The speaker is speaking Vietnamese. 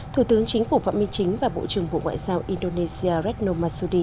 thủ tướng chính phủ phạm minh chính và bộ trưởng bộ ngoại giao indonesia retno masudi